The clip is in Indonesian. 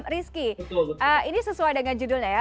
rizky ini sesuai dengan judulnya ya